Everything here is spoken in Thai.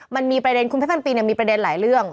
มันมีประเด็นคุณเพชรพันปีมีประเด็นหลายเรื่อง